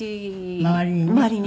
周りにね。